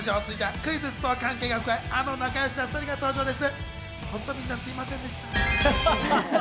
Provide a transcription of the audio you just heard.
クイズッスと関係が深い、あの仲よしな２人が登場です。